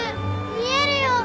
見えるよ！